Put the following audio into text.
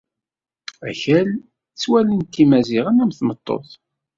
Akal, ttwalin-t Yimaziɣen am tmeṭṭut.